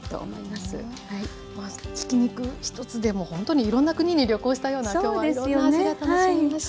ひき肉１つでもほんとにいろんな国に旅行したような今日はいろんな味が楽しめました。